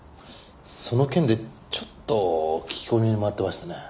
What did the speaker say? その件でちょっと聞き込みに回ってましてね。